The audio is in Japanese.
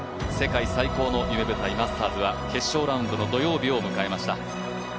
世界最高の夢舞台マスターズは決勝ラウンドの土曜日を迎えました。